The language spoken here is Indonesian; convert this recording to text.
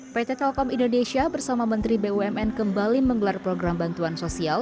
pt telkom indonesia bersama menteri bumn kembali menggelar program bantuan sosial